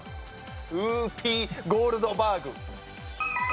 ウーピー・ゴールドバーグ。